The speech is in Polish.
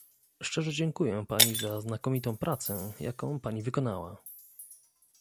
Szczerze dziękuję pani za znakomitą pracę, jaką pani wykonała